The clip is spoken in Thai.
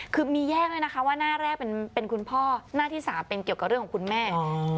คือมีแยกด้วยนะคะว่าหน้าแรกเป็นคุณพ่อหน้าที่๓เป็นเกี่ยวกับเรื่องของคุณแม่